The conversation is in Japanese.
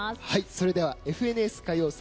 それでは「ＦＮＳ歌謡祭」